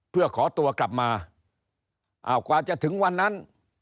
เพื่อขอตัวกลับมาอ้าวกว่าจะถึงวันนั้น